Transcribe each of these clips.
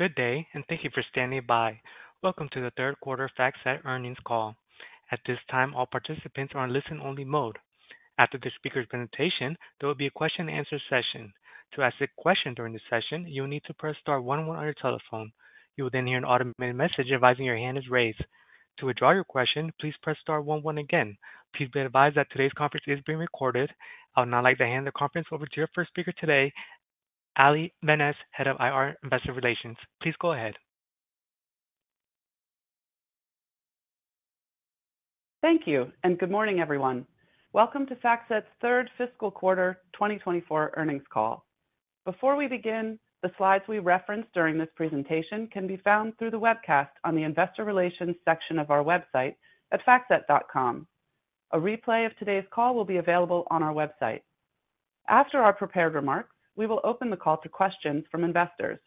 Good day, and thank you for standing by. Welcome to the third quarter FactSet earnings call. At this time, all participants are on listen-only mode. After the speaker's presentation, there will be a question-and-answer session. To ask a question during the session, you will need to press star one one on your telephone. You will then hear an automated message advising your hand is raised. To withdraw your question, please press star one one again. Please be advised that today's conference is being recorded. I would now like to hand the conference over to your first speaker today, Ali van Nes, Head of Investor Relations. Please go ahead. Thank you, and good morning, everyone. Welcome to FactSet's third fiscal quarter, 2024 earnings call. Before we begin, the slides we reference during this presentation can be found through the webcast on the Investor Relations section of our website at factset.com. A replay of today's call will be available on our website. After our prepared remarks, we will open the call to questions from investors.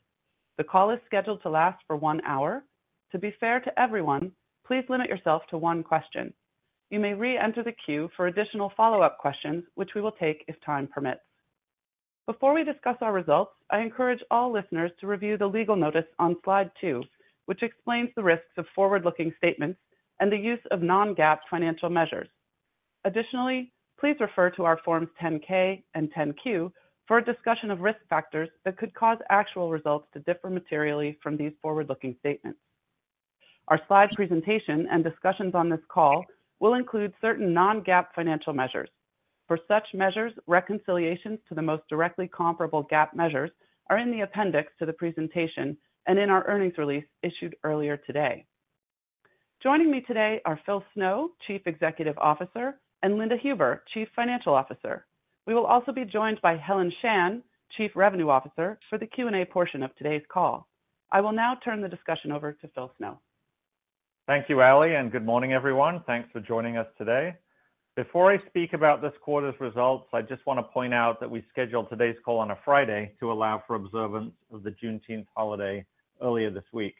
The call is scheduled to last for one hour. To be fair to everyone, please limit yourself to one question. You may re-enter the queue for additional follow-up questions, which we will take if time permits. Before we discuss our results, I encourage all listeners to review the legal notice on slide two, which explains the risks of forward-looking statements and the use of non-GAAP financial measures. Additionally, please refer to our Forms 10-K and 10-Q for a discussion of risk factors that could cause actual results to differ materially from these forward-looking statements. Our slide presentation and discussions on this call will include certain non-GAAP financial measures. For such measures, reconciliations to the most directly comparable GAAP measures are in the appendix to the presentation and in our earnings release issued earlier today. Joining me today are Philip Snow, Chief Executive Officer, and Linda Huber, Chief Financial Officer. We will also be joined by Helen Shan, Chief Revenue Officer, for the Q&A portion of today's call. I will now turn the discussion over to Philip Snow. Thank you, Ali, and good morning, everyone. Thanks for joining us today. Before I speak about this quarter's results, I just want to point out that we scheduled today's call on a Friday to allow for observance of the Juneteenth holiday earlier this week.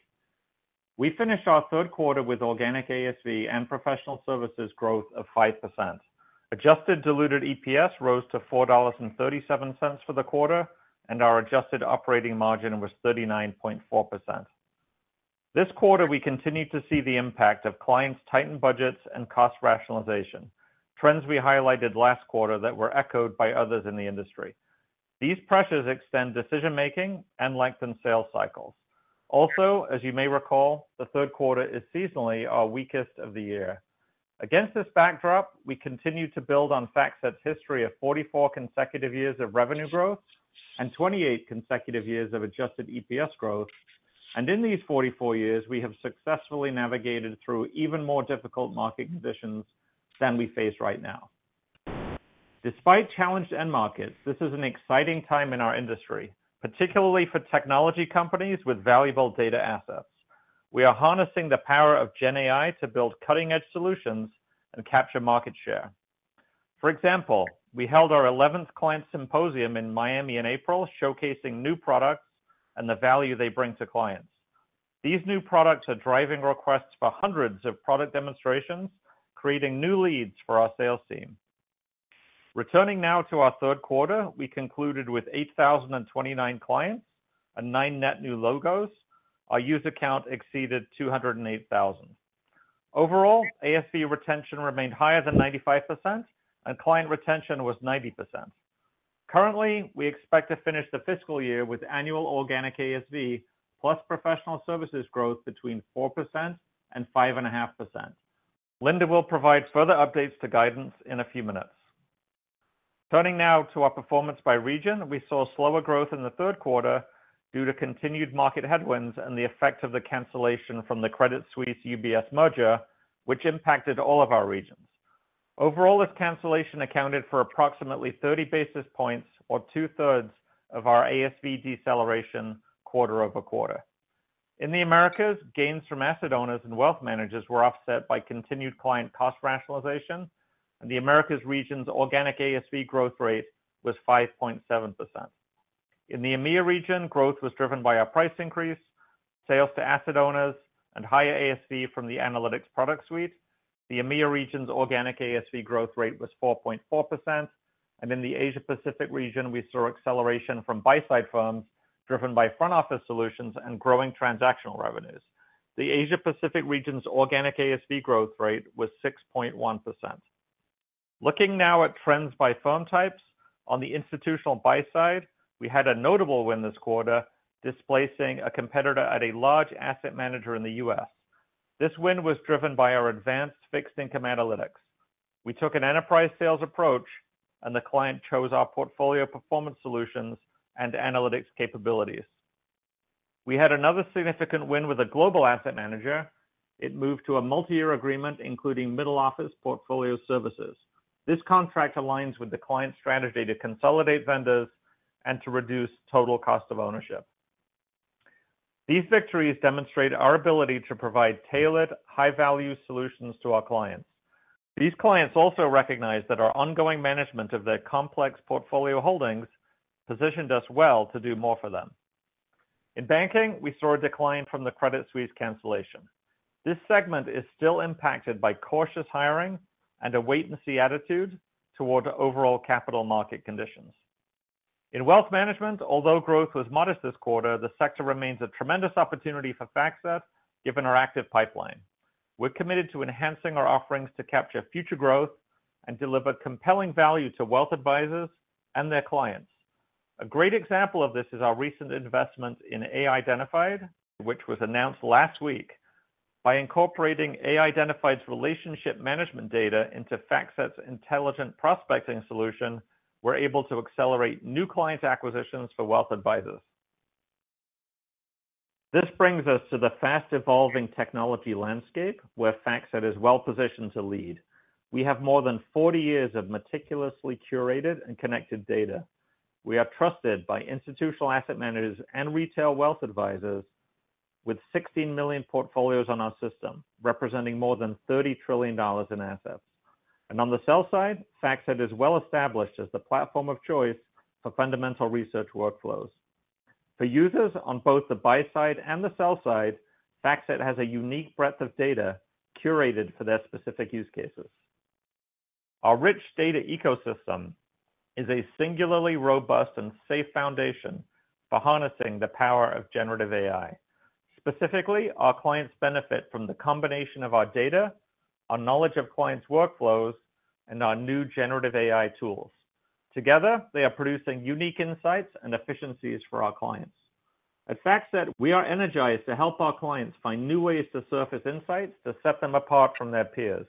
We finished our third quarter with organic ASV and professional services growth of 5%. Adjusted diluted EPS rose to $4.37 for the quarter, and our adjusted operating margin was 39.4%. This quarter, we continued to see the impact of clients' tightened budgets and cost rationalization, trends we highlighted last quarter that were echoed by others in the industry. These pressures extend decision-making and lengthen sales cycles. Also, as you may recall, the third quarter is seasonally our weakest of the year. Against this backdrop, we continue to build on FactSet's history of 44 consecutive years of revenue growth and 28 consecutive years of adjusted EPS growth. In these 44 years, we have successfully navigated through even more difficult market conditions than we face right now. Despite challenged end markets, this is an exciting time in our industry, particularly for technology companies with valuable data assets. We are harnessing the power of GenAI to build cutting-edge solutions and capture market share. For example, we held our 11th client symposium in Miami in April, showcasing new products and the value they bring to clients. These new products are driving requests for hundreds of product demonstrations, creating new leads for our sales team. Returning now to our third quarter, we concluded with 8,029 clients and 9 net new logos. Our user count exceeded 208,000. Overall, ASV retention remained higher than 95%, and client retention was 90%. Currently, we expect to finish the fiscal year with annual organic ASV plus professional services growth between 4% and 5.5%. Linda will provide further updates to guidance in a few minutes. Turning now to our performance by region, we saw slower growth in the third quarter due to continued market headwinds and the effect of the cancellation from the Credit Suisse-UBS merger, which impacted all of our regions. Overall, this cancellation accounted for approximately 30 basis points or two-thirds of our ASV deceleration quarter-over-quarter. In the Americas, gains from asset owners and wealth managers were offset by continued client cost rationalization, and the Americas region's organic ASV growth rate was 5.7%. In the EMEA region, growth was driven by our price increase, sales to asset owners, and higher ASV from the analytics product suite. The EMEA region's organic ASV growth rate was 4.4%, and in the Asia Pacific region, we saw acceleration from buy side firms, driven by front office solutions and growing transactional revenues. The Asia Pacific region's organic ASV growth rate was 6.1%. Looking now at trends by firm types, on the institutional buy side, we had a notable win this quarter, displacing a competitor at a large asset manager in the U.S. This win was driven by our advanced fixed income analytics. We took an enterprise sales approach, and the client chose our portfolio performance solutions and analytics capabilities. We had another significant win with a global asset manager. It moved to a multi-year agreement, including middle office portfolio services. This contract aligns with the client's strategy to consolidate vendors and to reduce total cost of ownership. These victories demonstrate our ability to provide tailored, high-value solutions to our clients. These clients also recognize that our ongoing management of their complex portfolio holdings positioned us well to do more for them. In banking, we saw a decline from the Credit Suisse cancellation. This segment is still impacted by cautious hiring and a wait-and-see attitude toward overall capital market conditions. In wealth management, although growth was modest this quarter, the sector remains a tremendous opportunity for FactSet, given our active pipeline. We're committed to enhancing our offerings to capture future growth and deliver compelling value to wealth advisors and their clients. A great example of this is our recent investment in, which was announced last week. By incorporating Aidentified's relationship management data into FactSet's Intelligent Prospecting solution, we're able to accelerate new client acquisitions for wealth advisors. This brings us to the fast-evolving technology landscape, where FactSet is well-positioned to lead. We have more than 40 years of meticulously curated and connected data. We are trusted by institutional asset managers and retail wealth advisors, with 16 million portfolios on our system, representing more than $30 trillion in assets. On the sell side, FactSet is well-established as the platform of choice for fundamental research workflows. For users on both the buy side and the sell side, FactSet has a unique breadth of data curated for their specific use cases. Our rich data ecosystem is a singularly robust and safe foundation for harnessing the power of Generative AI. Specifically, our clients benefit from the combination of our data, our knowledge of clients' workflows, and our new generative AI tools. Together, they are producing unique insights and efficiencies for our clients. At FactSet, we are energized to help our clients find new ways to surface insights to set them apart from their peers.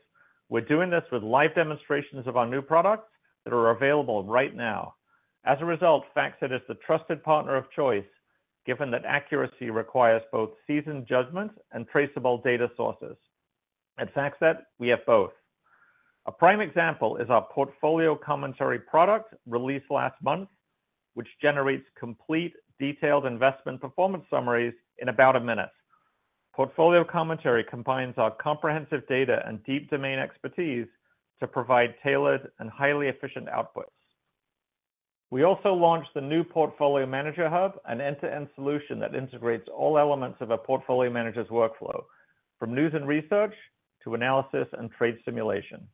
We're doing this with live demonstrations of our new products that are available right now. As a result, FactSet is the trusted partner of choice, given that accuracy requires both seasoned judgment and traceable data sources. At FactSet, we have both. A prime example is our portfolio commentary product, released last month, which generates complete, detailed investment performance summaries in about a minute. Portfolio commentary combines our comprehensive data and deep domain expertise to provide tailored and highly efficient outputs. We also launched the new Portfolio Manager Hub, an end-to-end solution that integrates all elements of a portfolio manager's workflow, from news and research to analysis and trade simulation.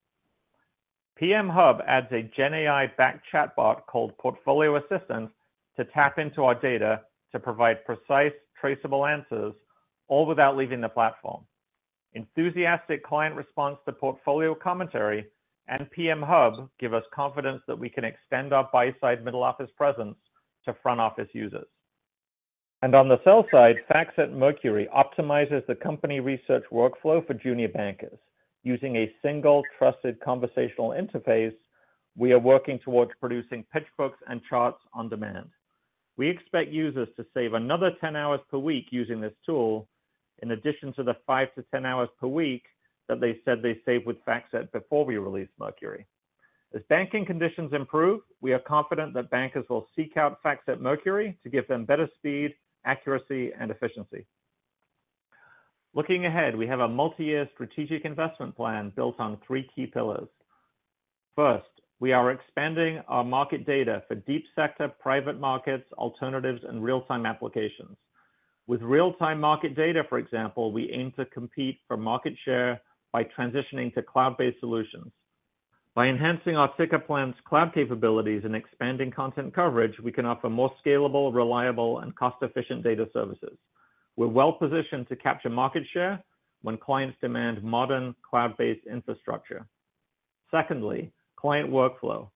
PM Hub adds a GenAI-backed chatbot called Portfolio Assistant to tap into our data to provide precise, traceable answers, all without leaving the platform. Enthusiastic client response to portfolio commentary and PM Hub give us confidence that we can extend our buy-side middle-office presence to front-office users. And on the sell side, FactSet Mercury optimizes the company research workflow for junior bankers. Using a single, trusted conversational interface, we are working towards producing pitch books and charts on demand. We expect users to save another 10 hours per week using this tool, in addition to the 5-10 hours per week that they said they saved with FactSet before we released Mercury. As banking conditions improve, we are confident that bankers will seek out FactSet Mercury to give them better speed, accuracy, and efficiency. Looking ahead, we have a multi-year strategic investment plan built on three key pillars. First, we are expanding our market data for Deep Sector, private markets, alternatives, and real-time applications. With real-time market data, for example, we aim to compete for market share by transitioning to cloud-based solutions. By enhancing our SaaS plan's cloud capabilities and expanding content coverage, we can offer more scalable, reliable, and cost-efficient data services. We're well-positioned to capture market share when clients demand modern, cloud-based infrastructure. Secondly, client workflow.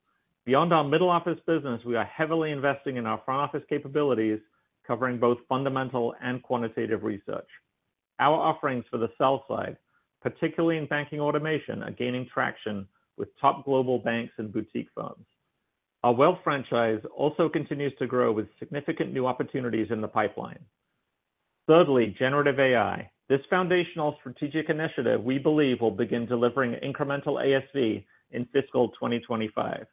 Beyond our middle-office business, we are heavily investing in our front-office capabilities, covering both fundamental and quantitative research. Our offerings for the sell side, particularly in banking automation, are gaining traction with top global banks and boutique firms. Our wealth franchise also continues to grow with significant new opportunities in the pipeline. Thirdly, Generative AI. This foundational strategic initiative, we believe, will begin delivering incremental ASV in fiscal 2025.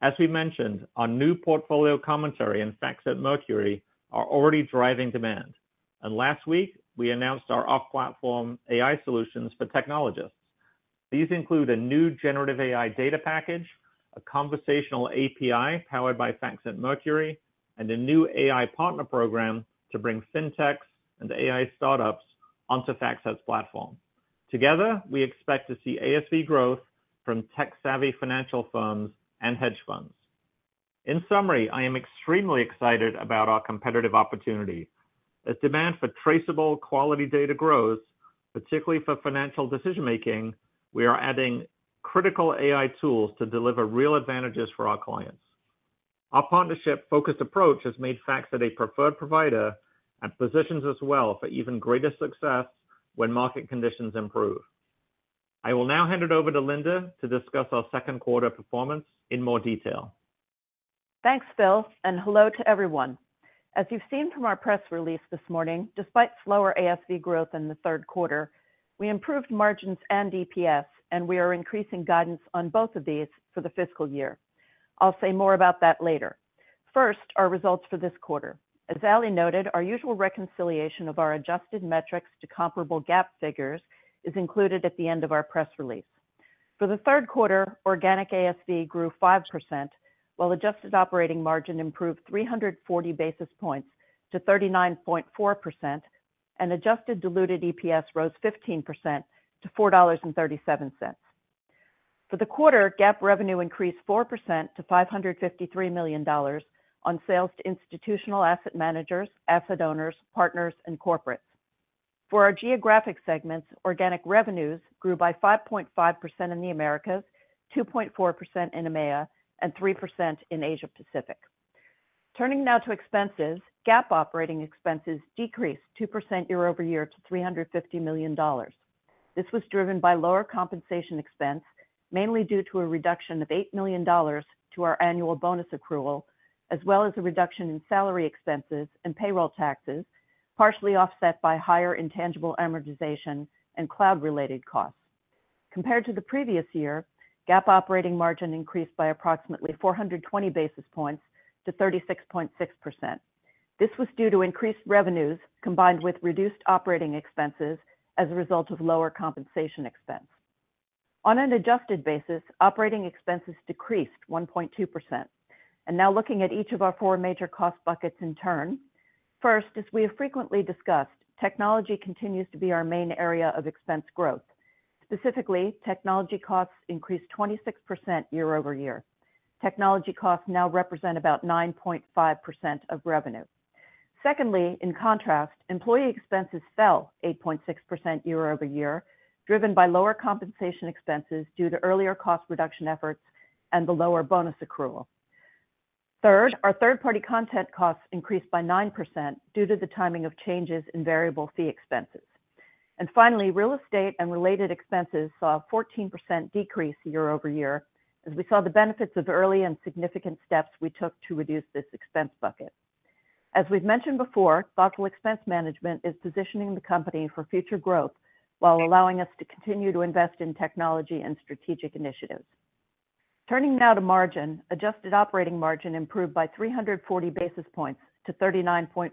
As we mentioned, our new Portfolio Commentary and FactSet Mercury are already driving demand, and last week, we announced our off-platform AI solutions for technologists. These include a new Generative AI data package, a conversational API powered by FactSet Mercury, and a new AI partner program to bring Fintechs and AI startups onto FactSet's platform. Together, we expect to see ASV growth from tech-savvy financial firms and hedge funds. In summary, I am extremely excited about our competitive opportunity. As demand for traceable, quality data grows, particularly for financial decision-making, we are adding critical AI tools to deliver real advantages for our clients. Our partnership-focused approach has made FactSet a preferred provider and positions us well for even greater success when market conditions improve. I will now hand it over to Linda to discuss our second quarter performance in more detail. Thanks, Phil, and hello to everyone. As you've seen from our press release this morning, despite slower ASV growth in the third quarter, we improved margins and EPS, and we are increasing guidance on both of these for the fiscal year. I'll say more about that later. First, our results for this quarter. As Ali noted, our usual reconciliation of our adjusted metrics to comparable GAAP figures is included at the end of our press release. For the third quarter, organic ASV grew 5%, while adjusted operating margin improved 340 basis points to 39.4%, and adjusted diluted EPS rose 15% to $4.37. For the quarter, GAAP revenue increased 4% to $553 million on sales to institutional asset managers, asset owners, partners, and corporates. For our geographic segments, organic revenues grew by 5.5% in the Americas, 2.4% in EMEA, and 3% in Asia Pacific. Turning now to expenses. GAAP operating expenses decreased 2% year-over-year to $350 million. This was driven by lower compensation expense, mainly due to a reduction of $8 million to our annual bonus accrual, as well as a reduction in salary expenses and payroll taxes, partially offset by higher intangible amortization and cloud-related costs. Compared to the previous year, GAAP operating margin increased by approximately 420 basis points to 36.6%. This was due to increased revenues, combined with reduced operating expenses as a result of lower compensation expense. On an adjusted basis, operating expenses decreased 1.2%. Now looking at each of our four major cost buckets in turn. First, as we have frequently discussed, technology continues to be our main area of expense growth. Specifically, technology costs increased 26% year-over-year. Technology costs now represent about 9.5% of revenue. Secondly, in contrast, employee expenses fell 8.6% year-over-year, driven by lower compensation expenses due to earlier cost reduction efforts and the lower bonus accrual. Third, our third-party content costs increased by 9% due to the timing of changes in variable fee expenses. Finally, real estate and related expenses saw a 14% decrease year-over-year, as we saw the benefits of early and significant steps we took to reduce this expense bucket. As we've mentioned before, thoughtful expense management is positioning the company for future growth while allowing us to continue to invest in technology and strategic initiatives. Turning now to margin. Adjusted operating margin improved by 340 basis points to 39.4%.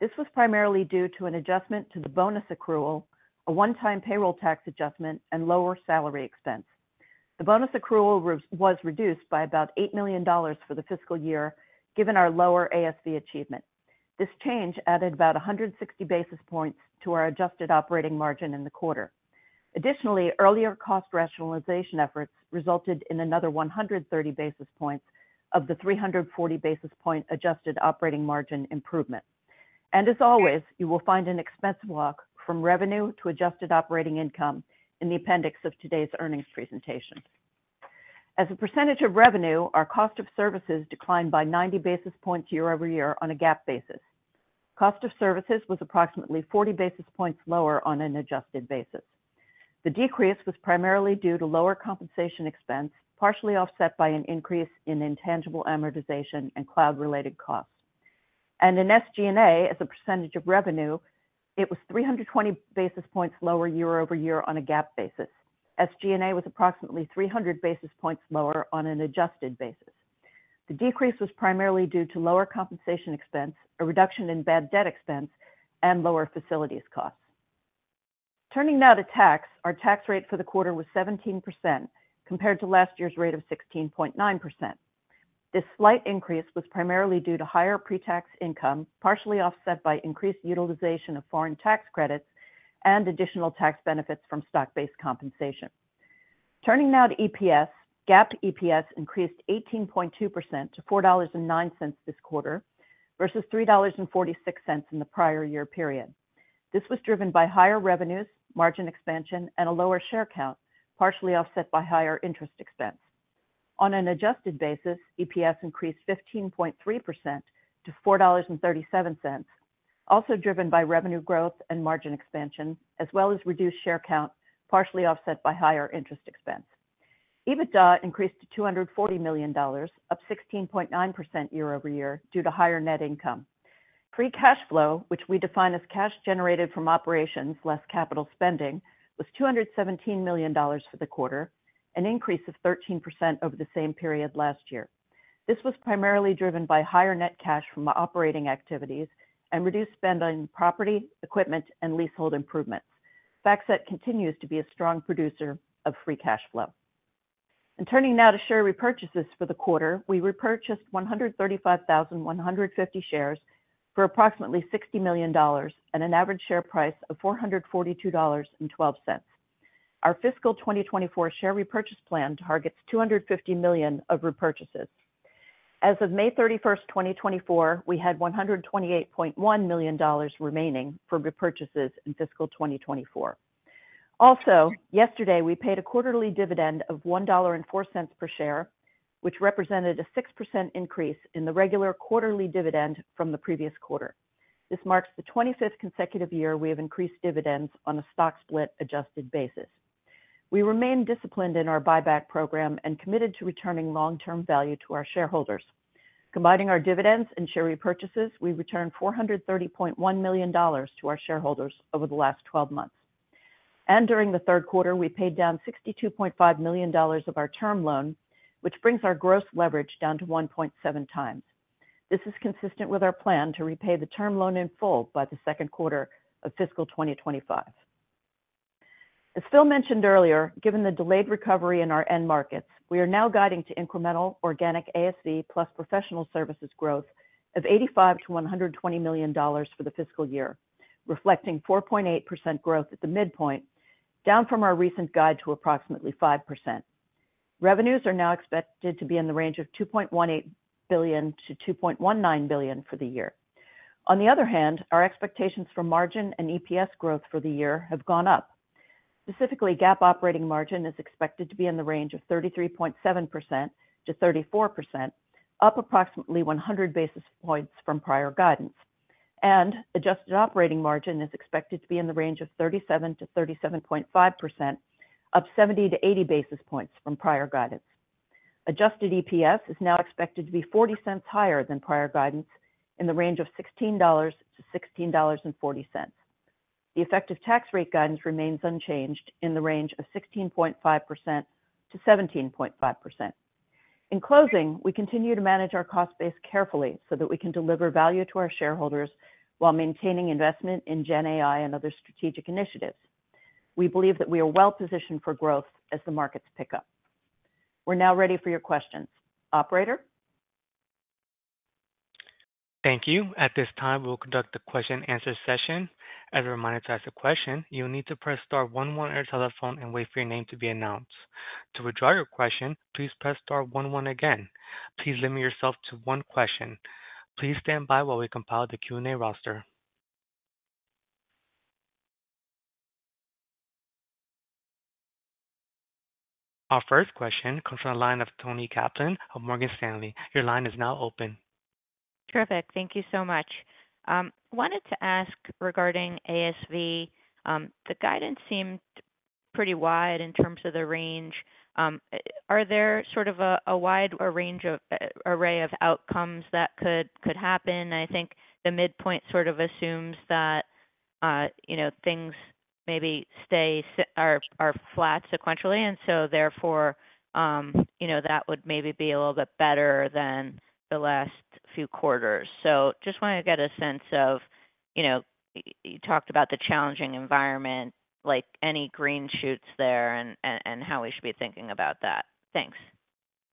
This was primarily due to an adjustment to the bonus accrual, a one-time payroll tax adjustment, and lower salary expense. The bonus accrual was reduced by about $8 million for the fiscal year, given our lower ASV achievement. This change added about 160 basis points to our adjusted operating margin in the quarter. Additionally, earlier cost rationalization efforts resulted in another 130 basis points of the 340 basis point adjusted operating margin improvement. As always, you will find an expense walk from revenue to adjusted operating income in the appendix of today's earnings presentation. As a percentage of revenue, our cost of services declined by 90 basis points year-over-year on a GAAP basis. Cost of services was approximately 40 basis points lower on an adjusted basis. The decrease was primarily due to lower compensation expense, partially offset by an increase in intangible amortization and cloud-related costs. In SG&A, as a percentage of revenue, it was 320 basis points lower year-over-year on a GAAP basis. SG&A was approximately 300 basis points lower on an adjusted basis. The decrease was primarily due to lower compensation expense, a reduction in bad debt expense, and lower facilities costs. Turning now to tax. Our tax rate for the quarter was 17%, compared to last year's rate of 16.9%. This slight increase was primarily due to higher pre-tax income, partially offset by increased utilization of foreign tax credits and additional tax benefits from stock-based compensation. Turning now to EPS. GAAP EPS increased 18.2% to $4.09 this quarter versus $3.46 in the prior year period. This was driven by higher revenues, margin expansion, and a lower share count, partially offset by higher interest expense. On an adjusted basis, EPS increased 15.3% to $4.37, also driven by revenue growth and margin expansion, as well as reduced share count, partially offset by higher interest expense. EBITDA increased to $240 million, up 16.9% year-over-year due to higher net income. Free cash flow, which we define as cash generated from operations less capital spending, was $217 million for the quarter, an increase of 13% over the same period last year. This was primarily driven by higher net cash from operating activities and reduced spend on property, equipment, and leasehold improvements. FactSet continues to be a strong producer of free cash flow. Turning now to share repurchases for the quarter. We repurchased 135,150 shares for approximately $60 million at an average share price of $442.12. Our fiscal 2024 share repurchase plan targets $250 million of repurchases. As of May 31, 2024, we had $128.1 million remaining for repurchases in fiscal 2024. Also, yesterday, we paid a quarterly dividend of $1.04 per share, which represented a 6% increase in the regular quarterly dividend from the previous quarter. This marks the 25th consecutive year we have increased dividends on a stock split adjusted basis. We remain disciplined in our buyback program and committed to returning long-term value to our shareholders. Combining our dividends and share repurchases, we returned $430.1 million to our shareholders over the last 12 months. During the third quarter, we paid down $62.5 million of our term loan, which brings our gross leverage down to 1.7 times. This is consistent with our plan to repay the term loan in full by the second quarter of fiscal 2025. As Phil mentioned earlier, given the delayed recovery in our end markets, we are now guiding to incremental organic ASV plus professional services growth of $85 million-$120 million for the fiscal year, reflecting 4.8% growth at the midpoint, down from our recent guide to approximately 5%. Revenues are now expected to be in the range of $2.18 billion-$2.19 billion for the year. On the other hand, our expectations for margin and EPS growth for the year have gone up. Specifically, GAAP operating margin is expected to be in the range of 33.7%-34%, up approximately 100 basis points from prior guidance. Adjusted operating margin is expected to be in the range of 37%-37.5%, up 70-80 basis points from prior guidance. Adjusted EPS is now expected to be $0.40 higher than prior guidance, in the range of $16-$16.40. The effective tax rate guidance remains unchanged in the range of 16.5%-17.5%. In closing, we continue to manage our cost base carefully so that we can deliver value to our shareholders while maintaining investment in GenAI and other strategic initiatives. We believe that we are well positioned for growth as the markets pick up. We're now ready for your questions. Operator? Thank you. At this time, we'll conduct a question-and-answer session. As a reminder, to ask a question, you need to press star one one on your telephone and wait for your name to be announced. To withdraw your question, please press star one one again. Please limit yourself to one question. Please stand by while we compile the Q&A roster. Our first question comes from the line of Toni Kaplan of Morgan Stanley. Your line is now open. Terrific. Thank you so much. Wanted to ask regarding ASV, the guidance seemed pretty wide in terms of the range. Are there sort of a wide array of outcomes that could happen? I think the midpoint sort of assumes that, you know, things maybe are flat sequentially, and so therefore, you know, that would maybe be a little bit better than the last few quarters. So just wanted to get a sense of, you know, you talked about the challenging environment, like, any green shoots there and how we should be thinking about that. Thanks.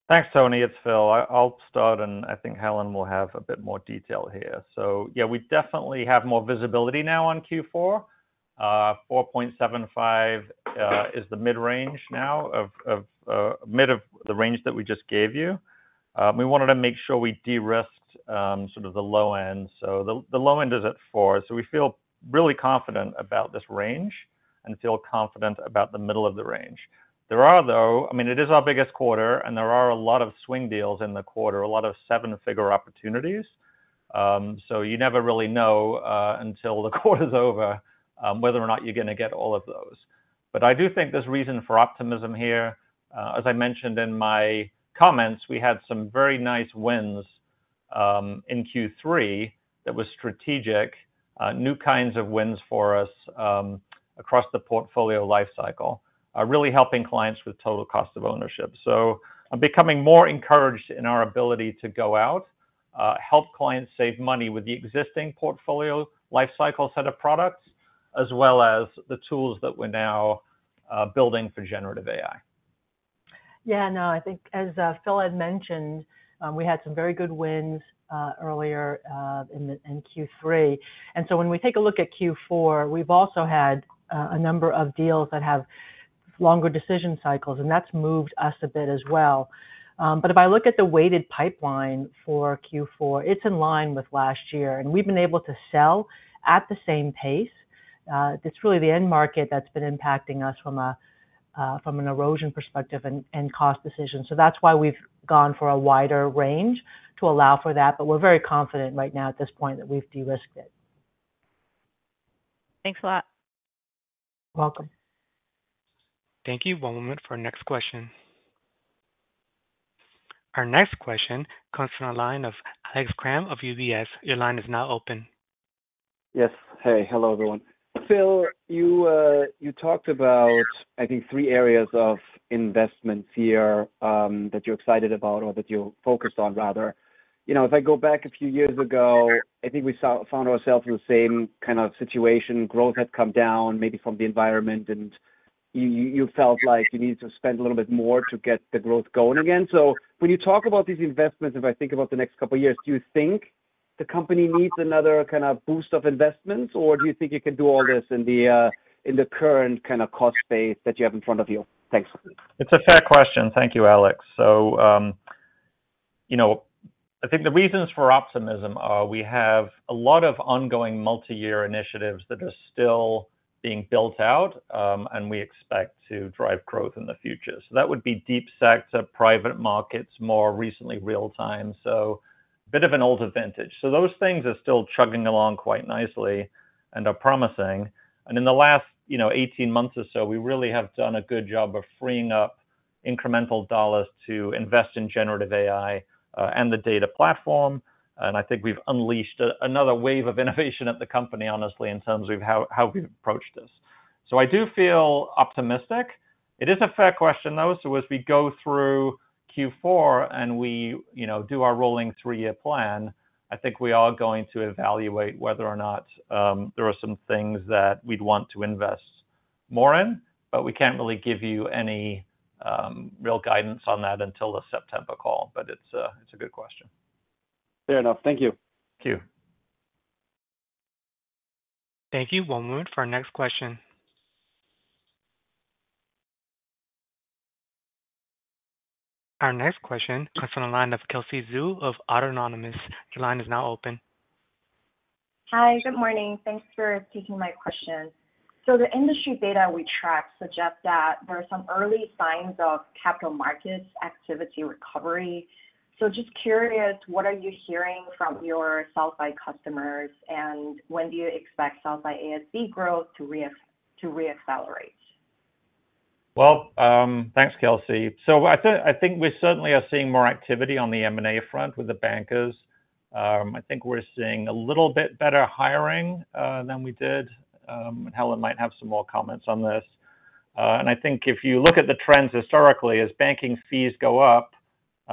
Thanks, Toni. It's Phil. I'll start, and I think Helen will have a bit more detail here. So yeah, we definitely have more visibility now on Q4. 4.75 is the mid-range now of the mid of the range that we just gave you. We wanted to make sure we de-risked sort of the low end. So the low end is at 4, so we feel really confident about this range and feel confident about the middle of the range. There are, though... I mean, it is our biggest quarter, and there are a lot of swing deals in the quarter, a lot of seven-figure opportunities. So you never really know until the quarter's over whether or not you're gonna get all of those. But I do think there's reason for optimism here. As I mentioned in my comments, we had some very nice wins in Q3 that were strategic, new kinds of wins for us, across the portfolio life cycle, really helping clients with total cost of ownership. So I'm becoming more encouraged in our ability to go out, help clients save money with the existing portfolio life cycle set of products, as well as the tools that we're now building for Generative AI. Yeah, no, I think as Phil had mentioned, we had some very good wins earlier in Q3. And so when we take a look at Q4, we've also had a number of deals that have longer decision cycles, and that's moved us a bit as well. But if I look at the weighted pipeline for Q4, it's in line with last year, and we've been able to sell at the same pace. It's really the end market that's been impacting us from an erosion perspective and cost decisions. So that's why we've gone for a wider range to allow for that, but we're very confident right now at this point that we've de-risked it. Thanks a lot. Welcome. Thank you. One moment for our next question. Our next question comes from the line of Alex Kramm of UBS. Your line is now open. Yes. Hey, hello, everyone. Phil, you talked about, I think, three areas of investment here that you're excited about or that you're focused on rather. You know, if I go back a few years ago, I think we found ourselves in the same kind of situation. Growth had come down, maybe from the environment, and you felt like you needed to spend a little bit more to get the growth going again. So when you talk about these investments, if I think about the next couple of years, do you think the company needs another kind of boost of investments, or do you think you can do all this in the current kind of cost base that you have in front of you? Thanks. It's a fair question. Thank you, Alex. So, you know, I think the reasons for optimism are we have a lot of ongoing multi-year initiatives that are still being built out, and we expect to drive growth in the future. So that would be DeepSec to private markets, more recently, real time, so bit of an older vintage. So those things are still chugging along quite nicely and are promising. And in the last, you know, 18 months or so, we really have done a good job of freeing up incremental dollars to invest in generative AI, and the data platform, and I think we've unleashed another wave of innovation at the company, honestly, in terms of how, how we approach this. So I do feel optimistic. It is a fair question, though. As we go through Q4, and we, you know, do our rolling three-year plan, I think we are going to evaluate whether or not there are some things that we'd want to invest more in, but we can't really give you any real guidance on that until the September call. But it's a good question. Fair enough. Thank you. Thank you. Thank you. One moment for our next question. Our next question comes from the line of Kelsey Zhu of Autonomous Research. Your line is now open. Hi, good morning. Thanks for taking my question. So the industry data we track suggest that there are some early signs of capital markets activity recovery. So just curious, what are you hearing from your sell-side customers, and when do you expect sell-side ASV growth to reaccelerate? Well, thanks, Kelsey. So I think we certainly are seeing more activity on the M&A front with the bankers. I think we're seeing a little bit better hiring than we did. Helen might have some more comments on this. And I think if you look at the trends historically, as banking fees go up,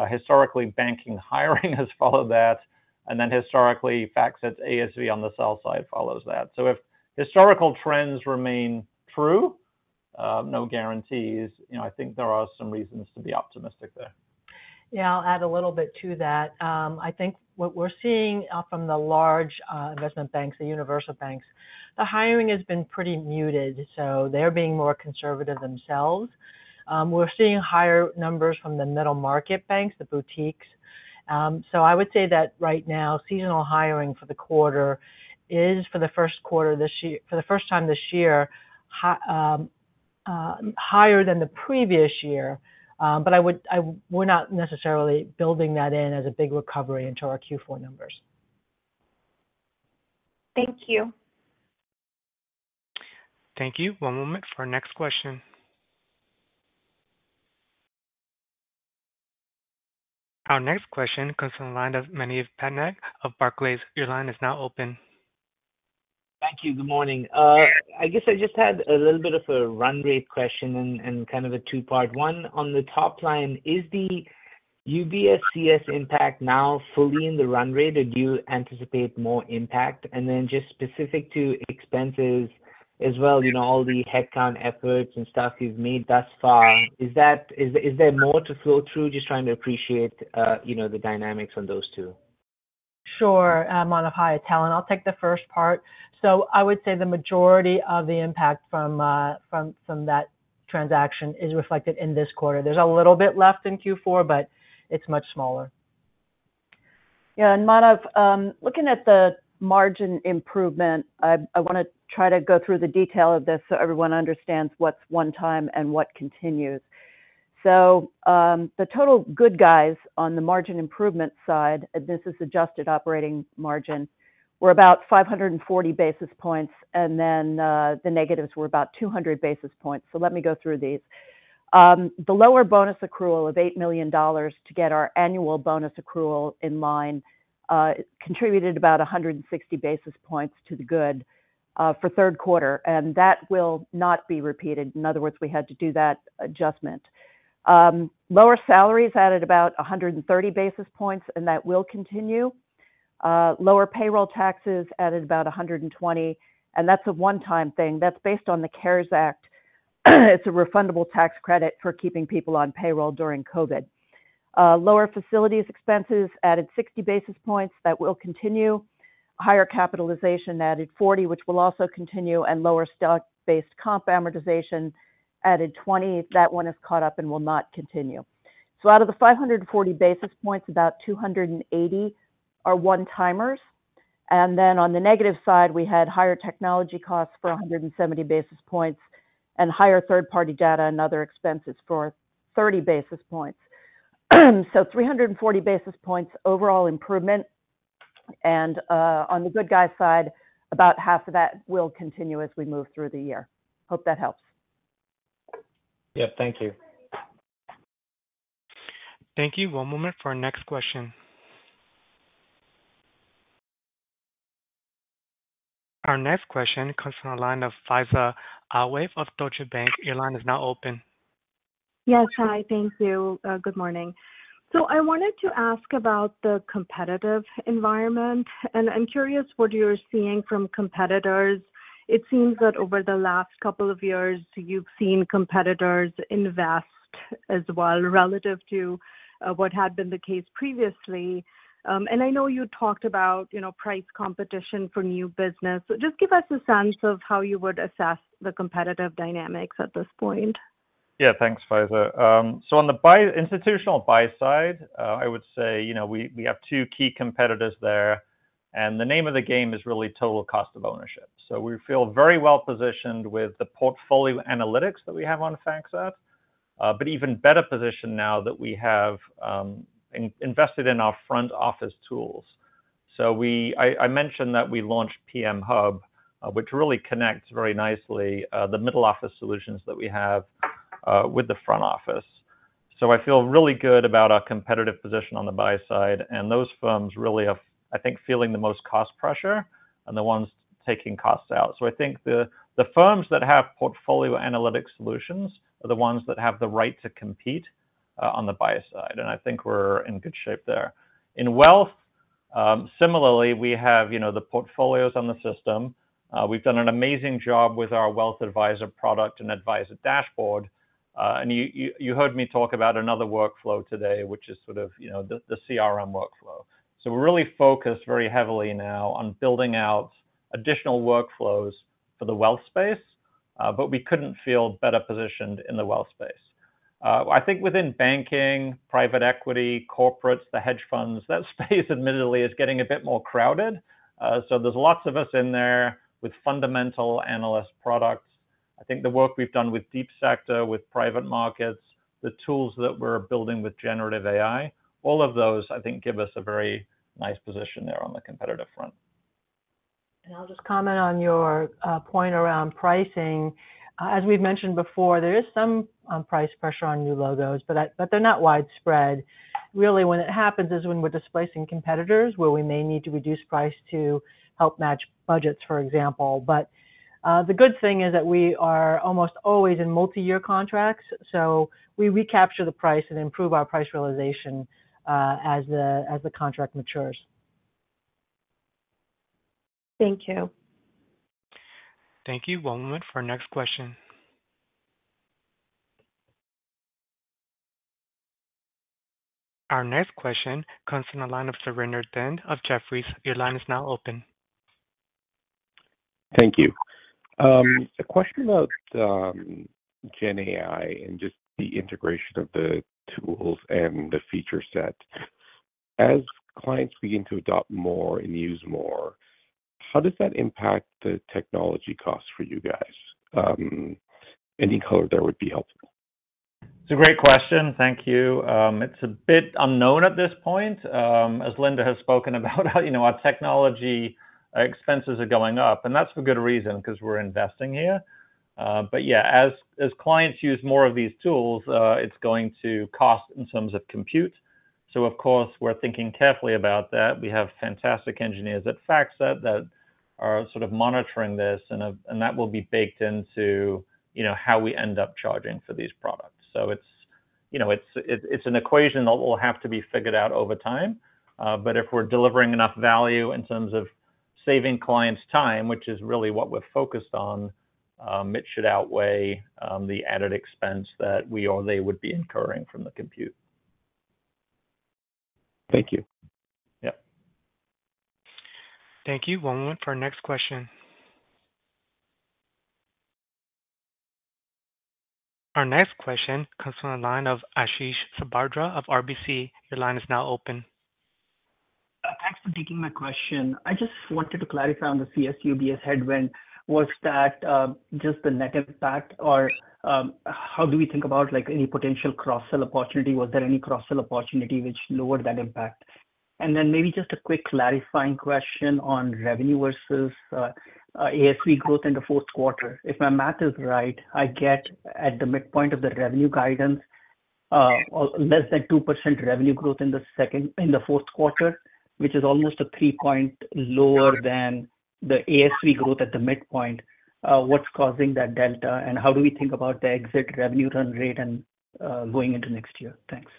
historically, banking hiring has followed that, and then historically, FactSet's ASV on the sell side follows that. So if historical trends remain true, no guarantees, you know, I think there are some reasons to be optimistic there. Yeah, I'll add a little bit to that. I think what we're seeing from the large investment banks, the universal banks, the hiring has been pretty muted, so they're being more conservative themselves. We're seeing higher numbers from the middle market banks, the boutiques. So I would say that right now, seasonal hiring for the quarter is, for the first quarter this year—for the first time this year, higher than the previous year, but we're not necessarily building that in as a big recovery into our Q4 numbers. Thank you. Thank you. One moment for our next question. Our next question comes from the line of Manav Patnaik of Barclays. Your line is now open. Thank you. Good morning. I guess I just had a little bit of a run rate question and kind of a two-part. One, on the top line, is the UBS CS impact now fully in the run rate, or do you anticipate more impact? And then just specific to expenses as well, you know, all the headcount efforts and stuff you've made thus far, is there more to flow through? Just trying to appreciate, you know, the dynamics on those two. Sure, Manav. Hi, it's Helen. I'll take the first part. So I would say the majority of the impact from that transaction is reflected in this quarter. There's a little bit left in Q4, but it's much smaller. Yeah, and Manav, looking at the margin improvement, I wanna try to go through the detail of this so everyone understands what's one time and what continues. So, the total good guys on the margin improvement side, and this is adjusted operating margin, were about 540 basis points, and then, the negatives were about 200 basis points. So let me go through these. The lower bonus accrual of $8 million to get our annual bonus accrual in line contributed about 160 basis points to the good for third quarter, and that will not be repeated. In other words, we had to do that adjustment. Lower salaries added about 130 basis points, and that will continue. Lower payroll taxes added about 120, and that's a one-time thing. That's based on the CARES Act. It's a refundable tax credit for keeping people on payroll during COVID. Lower facilities expenses added 60 basis points. That will continue. Higher capitalization added 40, which will also continue, and lower stock-based comp amortization added 20. That one is caught up and will not continue. So out of the 540 basis points, about 280 are one-timers. And then on the negative side, we had higher technology costs for 170 basis points and higher third-party data and other expenses for 30 basis points. So 340 basis points overall improvement, and, on the good guy side, about half of that will continue as we move through the year. Hope that helps. Yep, thank you. Thank you. One moment for our next question. Our next question comes from the line of Faiza Alwy of Deutsche Bank. Your line is now open. Yes, hi. Thank you. Good morning. So I wanted to ask about the competitive environment, and I'm curious what you're seeing from competitors. It seems that over the last couple of years, you've seen competitors invest as well, relative to what had been the case previously. And I know you talked about, you know, price competition for new business. So just give us a sense of how you would assess the competitive dynamics at this point. Yeah, thanks, Faiza. So on the buy-side institutional buy side, I would say, you know, we have two key competitors there, and the name of the game is really total cost of ownership. So we feel very well-positioned with the portfolio analytics that we have on FactSet, but even better positioned now that we have invested in our front office tools. So I mentioned that we launched PM Hub, which really connects very nicely the middle office solutions that we have with the front office. So I feel really good about our competitive position on the buy side, and those firms really have, I think, feeling the most cost pressure and the ones taking costs out. So I think the firms that have portfolio analytic solutions are the ones that have the right to compete on the buy side, and I think we're in good shape there. In wealth, similarly, we have, you know, the portfolios on the system. We've done an amazing job with our wealth advisor product and advisor dashboard, and you heard me talk about another workflow today, which is sort of, you know, the CRM workflow. So we're really focused very heavily now on building out additional workflows for the wealth space, but we couldn't feel better positioned in the wealth space. I think within banking, private equity, corporates, the hedge funds, that space admittedly is getting a bit more crowded. So there's lots of us in there with fundamental analyst products. I think the work we've done with Deep Sector, with private markets, the tools that we're building with generative AI, all of those, I think, give us a very nice position there on the competitive front. I'll just comment on your point around pricing. As we've mentioned before, there is some price pressure on new logos, but they're not widespread. Really, when it happens is when we're displacing competitors, where we may need to reduce price to help match budgets, for example. But the good thing is that we are almost always in multiyear contracts, so we recapture the price and improve our price realization as the contract matures. Thank you. Thank you. One moment for our next question. Our next question comes from the line of Surinder Thind of Jefferies. Your line is now open. Thank you. A question about GenAI and just the integration of the tools and the feature set. As clients begin to adopt more and use more, how does that impact the technology costs for you guys? Any color there would be helpful. It's a great question. Thank you. It's a bit unknown at this point. As Linda has spoken about, you know, our technology expenses are going up, and that's for good reason, 'cause we're investing here. But yeah, as clients use more of these tools, it's going to cost in terms of compute. So of course, we're thinking carefully about that. We have fantastic engineers at FactSet that are sort of monitoring this, and that will be baked into, you know, how we end up charging for these products. So it's, you know, an equation that will have to be figured out over time, but if we're delivering enough value in terms of saving clients time, which is really what we're focused on, it should outweigh the added expense that we or they would be incurring from the compute. Thank you. Yep. Thank you. One moment for our next question. Our next question comes from the line of Ashish Sabadra of RBC. Your line is now open. Thanks for taking my question. I just wanted to clarify on the CS-UBS headwind. Was that just the net impact or how do we think about, like, any potential cross-sell opportunity? Was there any cross-sell opportunity which lowered that impact? And then maybe just a quick clarifying question on revenue versus ASV growth in the fourth quarter. If my math is right, I get at the midpoint of the revenue guidance less than 2% revenue growth in the fourth quarter, which is almost a three point lower than the ASV growth at the midpoint. What's causing that delta, and how do we think about the exit revenue run rate and going into next year? Thanks.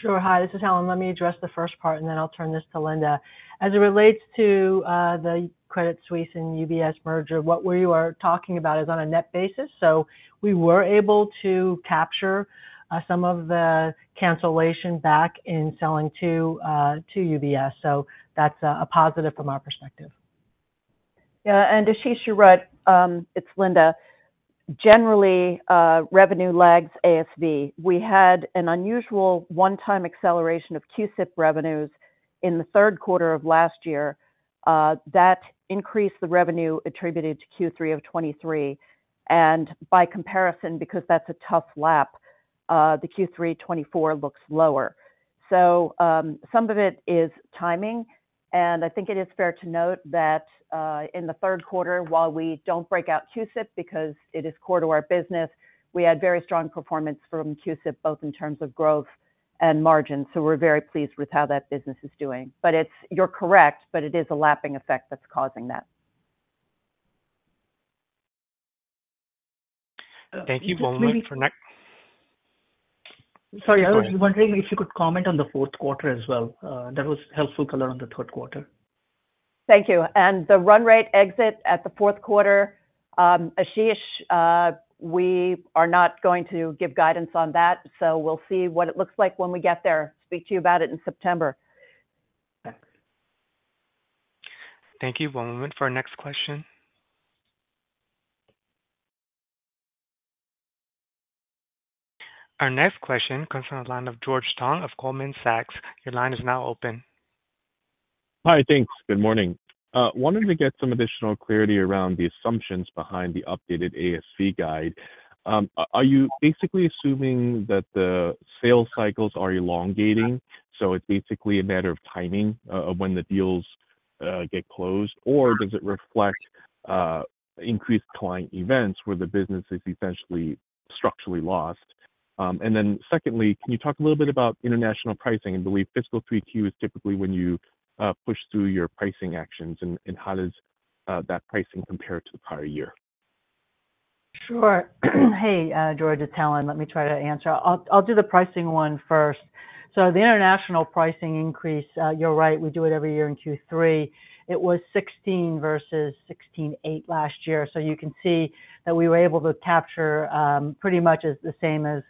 Sure. Hi, this is Helen. Let me address the first part, and then I'll turn this to Linda. As it relates to the Credit Suisse and UBS merger, what we were talking about is on a net basis, so we were able to capture some of the cancellation back in selling to to UBS. So that's a positive from our perspective. Yeah, and Ashish, you're right. It's Linda. Generally, revenue lags ASV. We had an unusual one-time acceleration of CUSIP revenues in the third quarter of last year, that increased the revenue attributed to Q3 of 2023. And by comparison, because that's a tough lap, the Q3 2024 looks lower. So, some of it is timing, and I think it is fair to note that, in the third quarter, while we don't break out CUSIP because it is core to our business, we had very strong performance from CUSIP, both in terms of growth and margin. So we're very pleased with how that business is doing. But it's—you're correct, but it is a lapping effect that's causing that. Thank you. One moment for next- Sorry, I was wondering if you could comment on the fourth quarter as well. That was helpful color on the third quarter. Thank you. The run rate exit at the fourth quarter, Ashish, we are not going to give guidance on that, so we'll see what it looks like when we get there. Speak to you about it in September. Thanks. Thank you. One moment for our next question. Our next question comes from the line of George Tong of Goldman Sachs. Your line is now open. Hi, thanks. Good morning. Wanted to get some additional clarity around the assumptions behind the updated ASV guide. Are you basically assuming that the sales cycles are elongating, so it's basically a matter of timing of when the deals-... get closed, or does it reflect increased client events where the business is essentially structurally lost? And then secondly, can you talk a little bit about international pricing? I believe fiscal 3Q is typically when you push through your pricing actions, and how does that pricing compare to the prior year? Sure. Hey, George, it's Helen. Let me try to answer. I'll do the pricing one first. So the international pricing increase, you're right, we do it every year in Q3. It was 16% versus 16.8% last year, so you can see that we were able to capture pretty much as the same as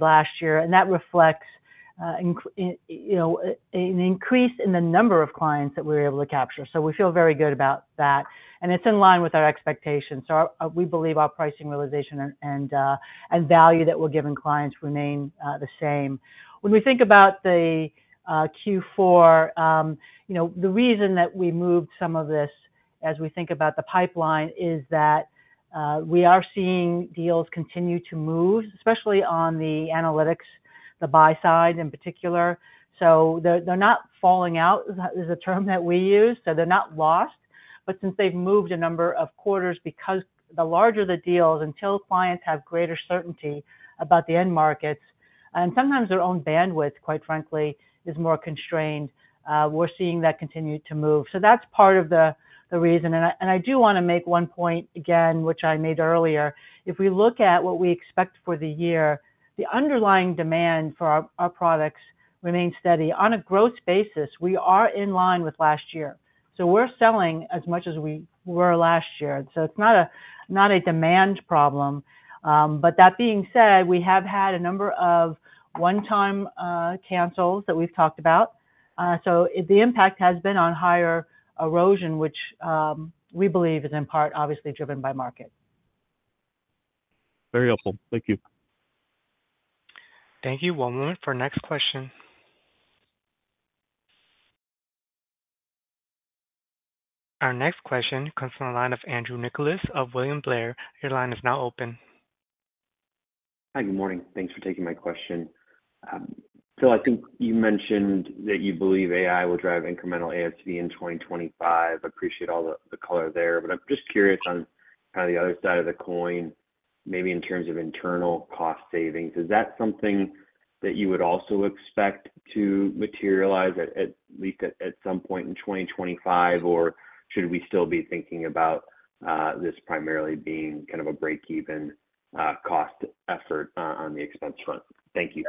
last year. And that reflects, you know, an increase in the number of clients that we were able to capture. So we feel very good about that, and it's in line with our expectations. So we believe our pricing realization and value that we're giving clients remain the same. When we think about the Q4, you know, the reason that we moved some of this as we think about the pipeline is that we are seeing deals continue to move, especially on the analytics, the buy side in particular. So they're not falling out, is a term that we use, so they're not lost. But since they've moved a number of quarters, because the larger the deals, until clients have greater certainty about the end markets, and sometimes their own bandwidth, quite frankly, is more constrained, we're seeing that continue to move. So that's part of the reason. And I do wanna make one point again, which I made earlier. If we look at what we expect for the year, the underlying demand for our products remains steady. On a growth basis, we are in line with last year. So we're selling as much as we were last year, so it's not a demand problem. But that being said, we have had a number of one-time cancels that we've talked about. So the impact has been on higher erosion, which, we believe is in part obviously driven by market. Very helpful. Thank you. Thank you. One moment for next question. Our next question comes from the line of Andrew Nicholas of William Blair. Your line is now open. Hi, good morning. Thanks for taking my question. So I think you mentioned that you believe AI will drive incremental ASV in 2025. I appreciate all the color there, but I'm just curious on kind of the other side of the coin, maybe in terms of internal cost savings. Is that something that you would also expect to materialize, at least at some point in 2025, or should we still be thinking about this primarily being kind of a break-even cost effort on the expense front? Thank you.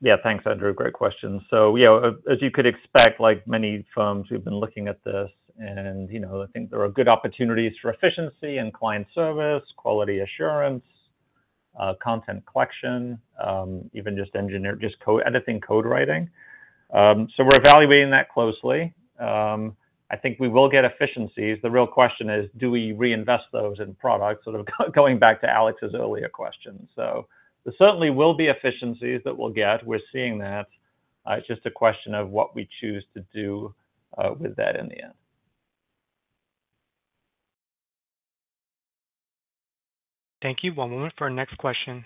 Yeah, thanks, Andrew. Great question. So, you know, as you could expect, like many firms, we've been looking at this and, you know, I think there are good opportunities for efficiency and client service, quality assurance, content collection, even just editing code writing. So we're evaluating that closely. I think we will get efficiencies. The real question is, do we reinvest those in products? Sort of going back to Alex's earlier question. So there certainly will be efficiencies that we'll get. We're seeing that. It's just a question of what we choose to do with that in the end. Thank you. One moment for our next question.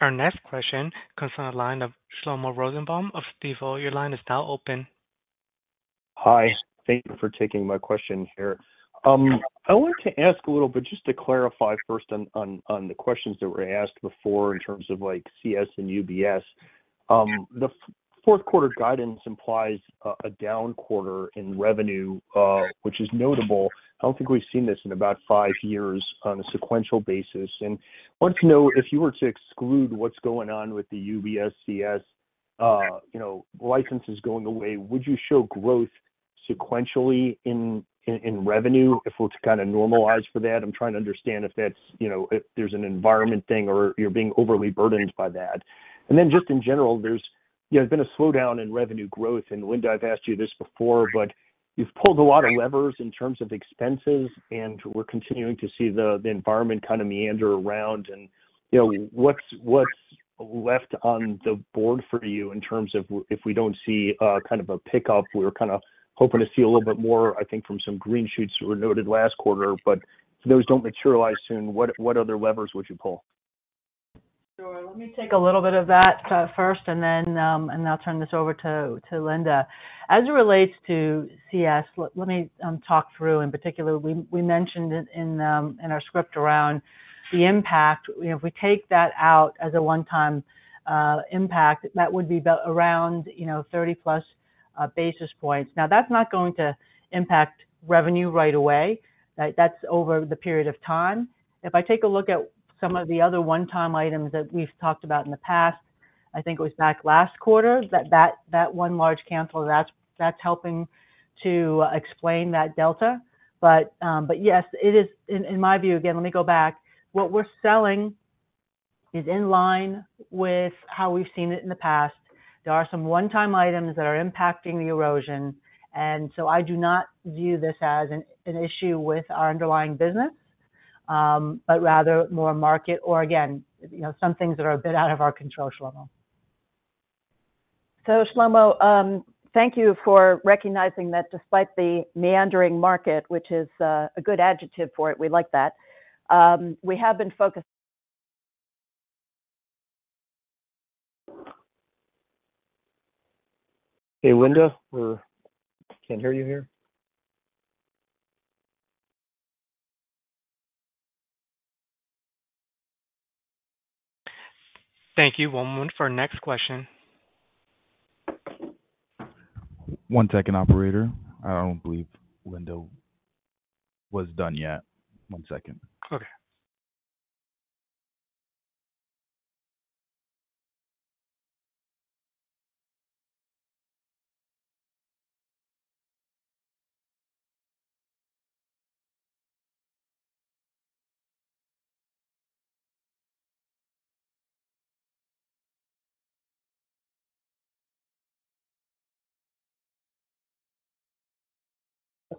Our next question comes from the line of Shlomo Rosenbaum of Stifel. Your line is now open. Hi, thank you for taking my question here. I want to ask a little bit, just to clarify first on, on, on the questions that were asked before in terms of like CS and UBS. The fourth quarter guidance implies a down quarter in revenue, which is notable. I don't think we've seen this in about five years on a sequential basis. And I want to know if you were to exclude what's going on with the UBS CS, you know, licenses going away, would you show growth sequentially in, in, in revenue if it were to kind of normalize for that? I'm trying to understand if that's, you know, if there's an environment thing or you're being overly burdened by that. Then just in general, there's, you know, been a slowdown in revenue growth, and Linda, I've asked you this before, but you've pulled a lot of levers in terms of expenses, and we're continuing to see the environment kind of meander around. You know, what's left on the board for you in terms of what if we don't see kind of a pickup? We're kind of hoping to see a little bit more, I think, from some green shoots that were noted last quarter, but if those don't materialize soon, what other levers would you pull? Sure. Let me take a little bit of that first, and then I'll turn this over to Linda. As it relates to CS, let me talk through in particular. We mentioned it in our script around the impact. You know, if we take that out as a one-time impact, that would be about around, you know, 30+ basis points. Now, that's not going to impact revenue right away. That's over the period of time. If I take a look at some of the other one-time items that we've talked about in the past, I think it was back last quarter, that one large cancel, that's helping to explain that delta. But yes, it is, in my view, again, let me go back. What we're selling is in line with how we've seen it in the past. There are some one-time items that are impacting the erosion, and so I do not view this as an issue with our underlying business, but rather more market or again, you know, some things that are a bit out of our control as well.... So Shlomo, thank you for recognizing that despite the meandering market, which is, a good adjective for it, we like that, we have been focused- Hey, Linda, we can't hear you here. Thank you. One moment for our next question. One second, operator. I don't believe Linda was done yet. One second. Okay.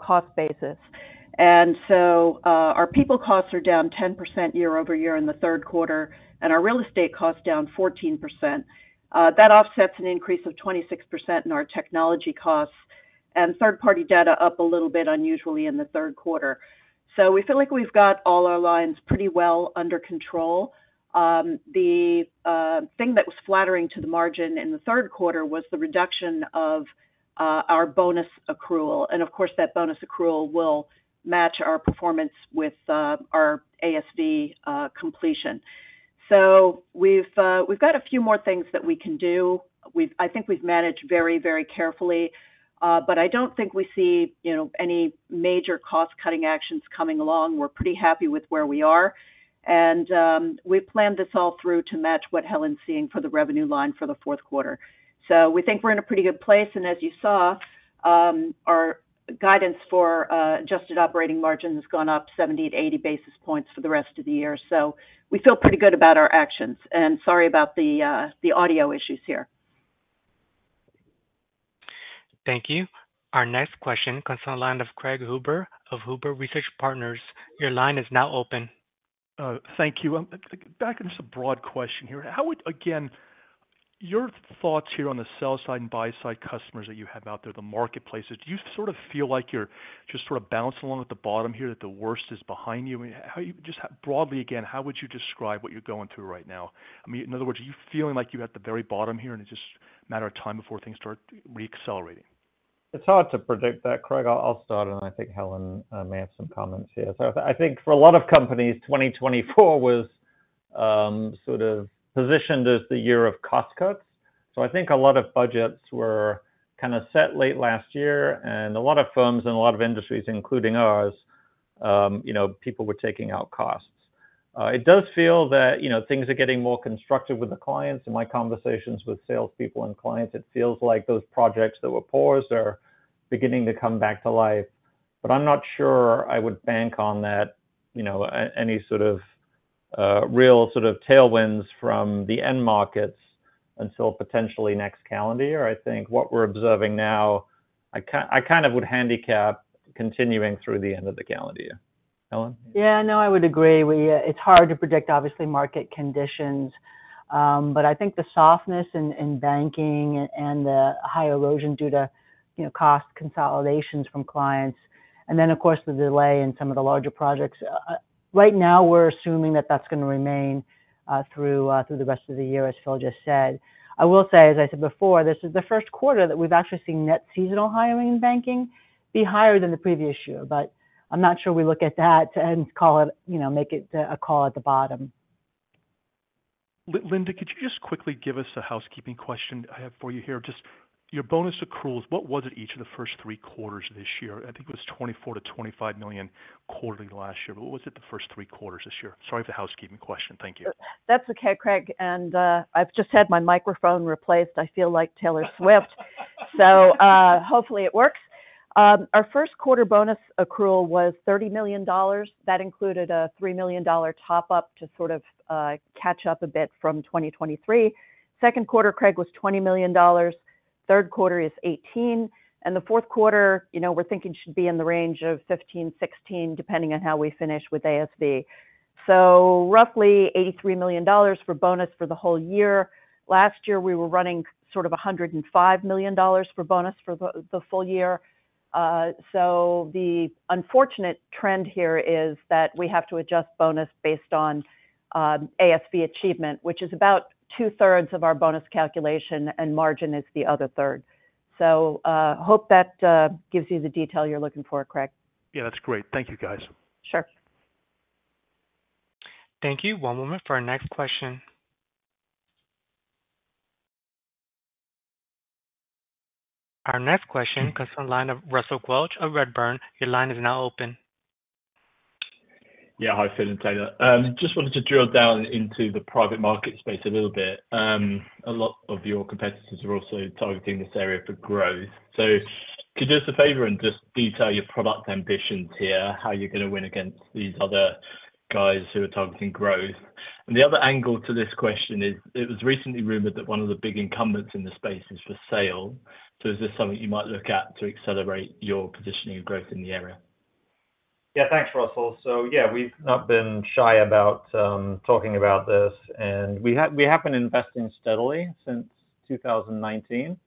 Cost basis. So, our people costs are down 10% year-over-year in the third quarter, and our real estate costs down 14%. That offsets an increase of 26% in our technology costs, and third-party data up a little bit unusually in the third quarter. So we feel like we've got all our lines pretty well under control. The thing that was flattering to the margin in the third quarter was the reduction of our bonus accrual. And of course, that bonus accrual will match our performance with our ASV completion. So we've got a few more things that we can do. I think we've managed very, very carefully, but I don't think we see, you know, any major cost-cutting actions coming along. We're pretty happy with where we are, and we've planned this all through to match what Helen's seeing for the revenue line for the fourth quarter. So we think we're in a pretty good place, and as you saw, our guidance for adjusted operating margin has gone up 70-80 basis points for the rest of the year. So we feel pretty good about our actions, and sorry about the audio issues here. Thank you. Our next question comes on the line of Craig Huber of Huber Research Partners. Your line is now open. Thank you. Back on just a broad question here. How would, again, your thoughts here on the sell side and buy side customers that you have out there, the marketplaces, do you sort of feel like you're just sort of bouncing along at the bottom here, that the worst is behind you? How do you, just broadly again, how would you describe what you're going through right now? I mean, in other words, are you feeling like you're at the very bottom here, and it's just a matter of time before things start re-accelerating? It's hard to predict that, Craig. I'll start, and I think Helen may have some comments here. So I think for a lot of companies, 2024 was sort of positioned as the year of cost cuts. So I think a lot of budgets were kind of set late last year, and a lot of firms and a lot of industries, including ours, you know, people were taking out costs. It does feel that, you know, things are getting more constructive with the clients. In my conversations with salespeople and clients, it feels like those projects that were paused are beginning to come back to life. But I'm not sure I would bank on that, you know, any sort of real sort of tailwinds from the end markets until potentially next calendar year. I think what we're observing now, I kind of would handicap continuing through the end of the calendar year. Helen? Yeah, no, I would agree. We... It's hard to predict, obviously, market conditions, but I think the softness in banking and the high erosion due to, you know, cost consolidations from clients, and then, of course, the delay in some of the larger projects, right now, we're assuming that that's going to remain through the rest of the year, as Phil just said. I will say, as I said before, this is the first quarter that we've actually seen net seasonal hiring in banking be higher than the previous year, but I'm not sure we look at that and call it, you know, make it a call at the bottom. Linda, could you just quickly give us a housekeeping question I have for you here? Just your bonus accruals, what was it each of the first three quarters this year? I think it was $24 million-$25 million quarterly last year, but what was it the first three quarters this year? Sorry for the housekeeping question. Thank you. That's okay, Craig, and, I've just had my microphone replaced. I feel like Taylor Swift. So, hopefully it works. Our first quarter bonus accrual was $30 million. That included a $3 million top up to sort of, catch up a bit from 2023. Second quarter, Craig, was $20 million, third quarter is 18, and the fourth quarter, you know, we're thinking should be in the range of 15, 16, depending on how we finish with ASV. So roughly $83 million for bonus for the whole year. Last year, we were running sort of a $105 million for bonus for the, the full year. So the unfortunate trend here is that we have to adjust bonus based on, ASV achievement, which is about two-thirds of our bonus calculation, and margin is the other third. Hope that gives you the detail you're looking for, Craig. Yeah, that's great. Thank you, guys. Sure. Thank you. One moment for our next question. Our next question comes from the line of Russell Quelch of Redburn. Your line is now open. Yeah. Hi, Phil and Taylor. Just wanted to drill down into the private market space a little bit. A lot of your competitors are also targeting this area for growth. So could you do us a favor and just detail your product ambitions here, how you're going to win against these other guys who are targeting growth? And the other angle to this question is: it was recently rumored that one of the big incumbents in this space is for sale. So is this something you might look at to accelerate your positioning and growth in the area? ... Yeah, thanks, Russell. So yeah, we've not been shy about talking about this, and we have, we have been investing steadily since 2019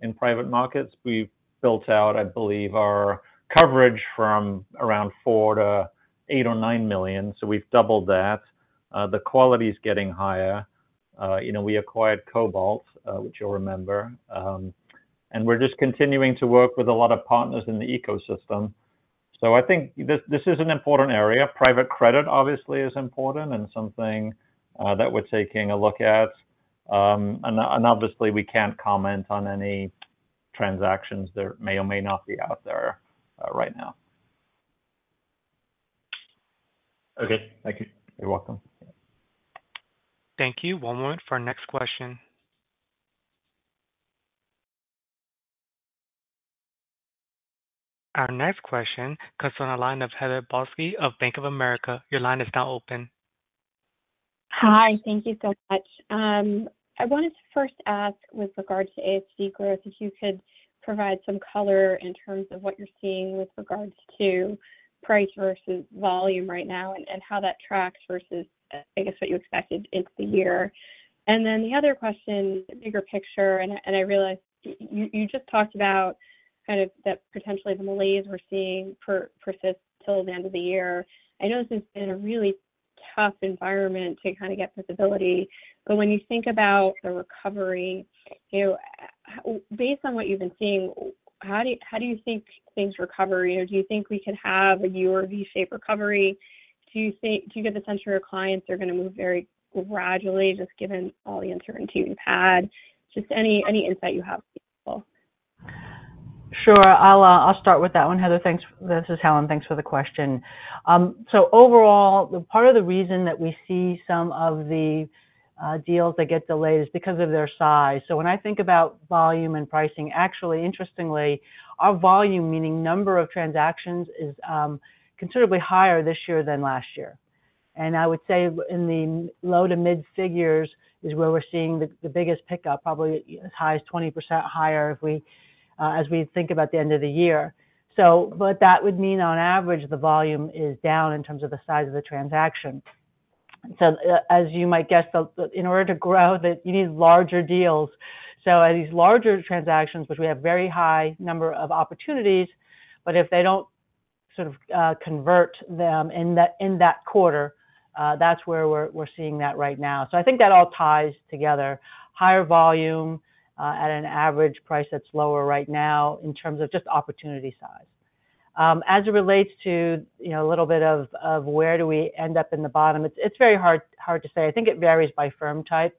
in private markets. We've built out, I believe, our coverage from around 4 to 8 or 9 million, so we've doubled that. The quality is getting higher. You know, we acquired Cobalt, which you'll remember. And we're just continuing to work with a lot of partners in the ecosystem. So I think this, this is an important area. Private credit, obviously, is important and something that we're taking a look at. And obviously, we can't comment on any transactions that may or may not be out there, right now. Okay, thank you. You're welcome. Thank you. One moment for our next question. Our next question comes from the line of Heather Balsky of Bank of America. Your line is now open. Hi, thank you so much. I wanted to first ask with regards to ASV growth, if you could provide some color in terms of what you're seeing with regards to price versus volume right now and, and how that tracks versus, I guess, what you expected into the year. And then the other question, the bigger picture, and, and I realize you just talked about kind of that potentially the malaise we're seeing persist till the end of the year. I know this has been a really tough environment to kind of get visibility, but when you think about the recovery, you know, based on what you've been seeing, how do you see things recover? Or do you think we could have a U or V shape recovery? Do you get the sense your clients are gonna move very gradually, just given all the uncertainty you've had? Just any, any insight you have? Sure. I'll, I'll start with that one, Heather. Thanks. This is Helen. Thanks for the question. So overall, the part of the reason that we see some of the deals that get delayed is because of their size. So when I think about volume and pricing, actually, interestingly, our volume, meaning number of transactions, is considerably higher this year than last year. And I would say in the low to mid figures is where we're seeing the biggest pickup, probably as high as 20% higher if we as we think about the end of the year. So but that would mean, on average, the volume is down in terms of the size of the transaction. So as you might guess, in order to grow that, you need larger deals. So these larger transactions, which we have very high number of opportunities, but if they don't sort of convert them in that quarter, that's where we're seeing that right now. So I think that all ties together. Higher volume at an average price that's lower right now in terms of just opportunity size. As it relates to, you know, a little bit of where do we end up in the bottom, it's very hard to say. I think it varies by firm type.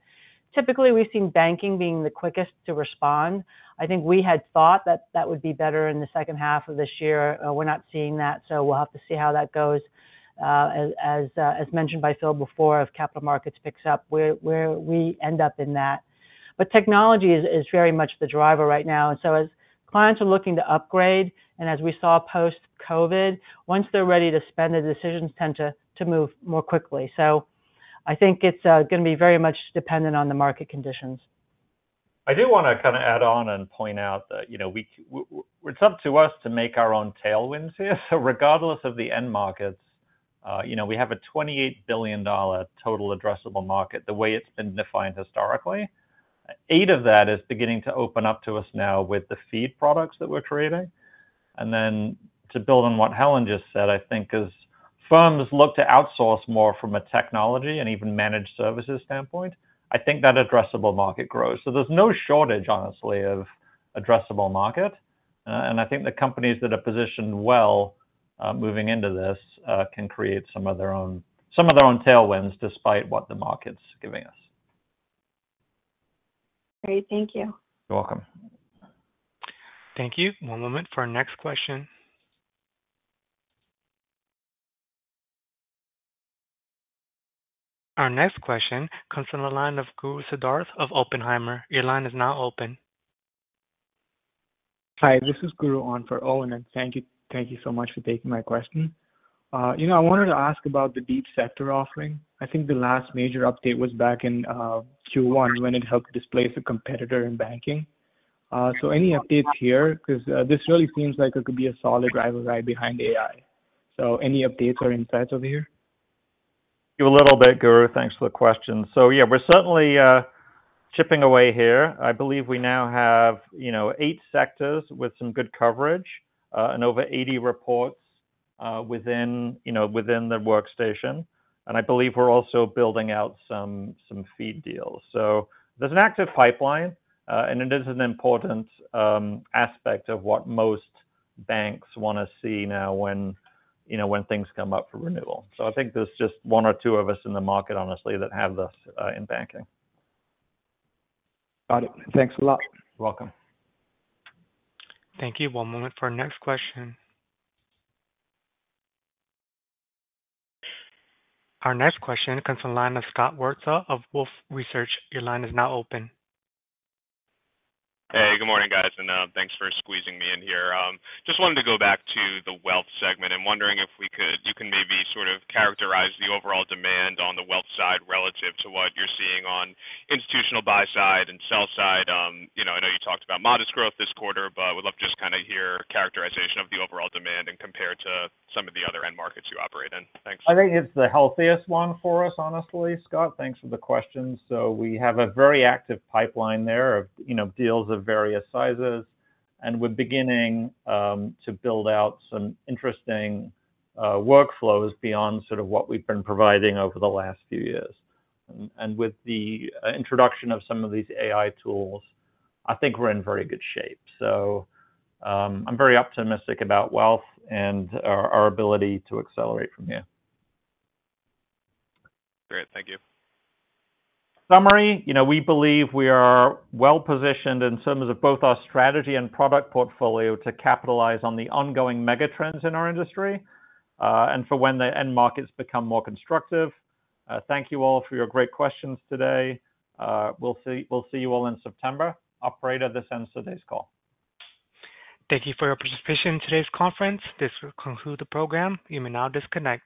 Typically, we've seen banking being the quickest to respond. I think we had thought that that would be better in the second half of this year. We're not seeing that, so we'll have to see how that goes. As mentioned by Phil before, if capital markets picks up, where we end up in that. But technology is very much the driver right now. And so as clients are looking to upgrade, and as we saw post-COVID, once they're ready to spend, the decisions tend to move more quickly. So I think it's gonna be very much dependent on the market conditions. I do wanna kind of add on and point out that, you know, we, it's up to us to make our own tailwinds here. So regardless of the end markets, you know, we have a $28 billion total addressable market, the way it's been defined historically. Eight of that is beginning to open up to us now with the feed products that we're creating. And then to build on what Helen just said, I think as firms look to outsource more from a technology and even managed services standpoint, I think that addressable market grows. So there's no shortage, honestly, of addressable market. And I think the companies that are positioned well, moving into this, can create some of their own, some of their own tailwinds despite what the market's giving us. Great, thank you. You're welcome. Thank you. One moment for our next question. Our next question comes from the line of Guru Sidaarth of Oppenheimer. Your line is now open. Hi, this is Guru on for Oppenheimer. Thank you, thank you so much for taking my question. You know, I wanted to ask about the deep sector offering. I think the last major update was back in Q1 when it helped displace a competitor in banking. So any updates here? Because this really seems like it could be a solid driver right behind AI. So any updates or insights over here? A little bit, Guru. Thanks for the question. So yeah, we're certainly chipping away here. I believe we now have, you know, 8 sectors with some good coverage, and over 80 reports within, you know, within the workstation. And I believe we're also building out some feed deals. So there's an active pipeline, and it is an important aspect of what most banks wanna see now when, you know, when things come up for renewal. So I think there's just 1 or 2 of us in the market, honestly, that have this in banking. Got it. Thanks a lot. You're welcome. Thank you. One moment for our next question. Our next question comes from the line of Scott Warta of Wolfe Research. Your line is now open. Hey, good morning, guys, and thanks for squeezing me in here. Just wanted to go back to the wealth segment. I'm wondering if you can maybe sort of characterize the overall demand on the wealth side relative to what you're seeing on institutional buy side and sell side. You know, I know you talked about modest growth this quarter, but I would love to just kind of hear characterization of the overall demand and compare to some of the other end markets you operate in. Thanks. I think it's the healthiest one for us, honestly, Scott. Thanks for the question. So we have a very active pipeline there of, you know, deals of various sizes, and we're beginning to build out some interesting workflows beyond sort of what we've been providing over the last few years. And with the introduction of some of these AI tools, I think we're in very good shape. So, I'm very optimistic about wealth and our, our ability to accelerate from here. Great. Thank you. Summary, you know, we believe we are well-positioned in terms of both our strategy and product portfolio to capitalize on the ongoing mega trends in our industry, and for when the end markets become more constructive. Thank you all for your great questions today. We'll see, we'll see you all in September. Operator, this ends today's call. Thank you for your participation in today's conference. This will conclude the program. You may now disconnect.